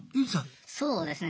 そうですね。